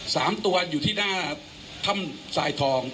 สามตัวอยู่ที่หน้าถ้ำทรายทอง